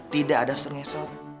tidak ada sur ngesot